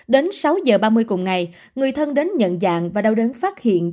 đến sáu giờ ba mươi cùng ngày người thân đến nhận dạng và đau đến phát hiện